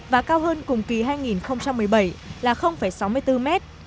và cao hơn cùng kỳ hai nghìn một mươi bảy là sáu mươi bốn mét